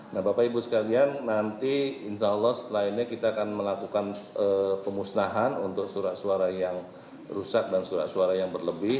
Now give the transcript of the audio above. nah bapak ibu sekalian nanti insya allah setelah ini kita akan melakukan pemusnahan untuk surat suara yang rusak dan surat suara yang berlebih